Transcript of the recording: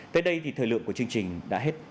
tới đây thì thời lượng của chương trình đã hết